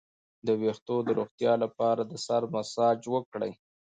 د ویښتو د روغتیا لپاره د سر مساج وکړئ